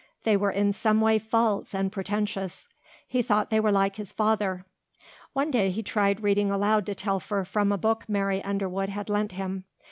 They were in some way false and pretentious. He thought they were like his father. One day he tried reading aloud to Telfer from a book Mary Underwood had lent him.